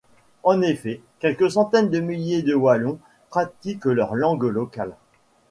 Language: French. En effet, quelques centaines de milliers de Wallons pratiquent leur langue locale.